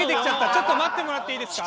ちょっと待ってもらっていいですか？